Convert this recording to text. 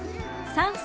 ３歳？